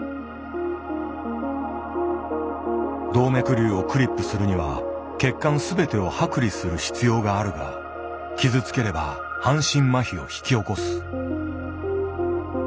動脈瘤をクリップするには血管全てを剥離する必要があるが傷つければ半身麻痺を引き起こす。